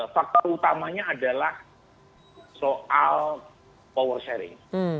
faktor utamanya adalah soal power sharing